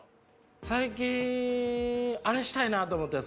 最近、あれしたいなと思って。